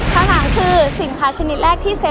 ข้าวนี้คือสินค้าชนิดแรกที่